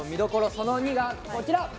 その２がこちら。